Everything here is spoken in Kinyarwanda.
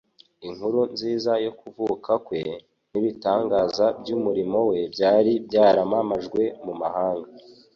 Inkuru nziza yo kuvuka kwe, n'ibitangaza by'umurimo we byari byaramamajwe mu mahanga.